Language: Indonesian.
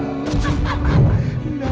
ya segar ya